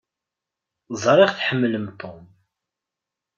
Ẓriɣ tḥemmlem Tom.